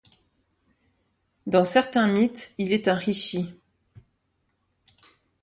Dans certains mythes il est un Rishi.